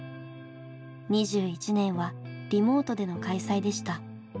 ２１年はリモートでの開催でした。